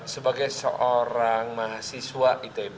sebagai seorang mahasiswa itb